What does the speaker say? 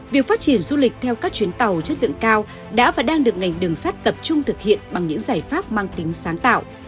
việc phát triển du lịch theo các chuyến tàu chất lượng cao đã và đang được ngành đường sắt tập trung thực hiện bằng những giải pháp mang tính sáng tạo